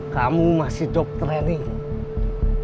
kamu masih job training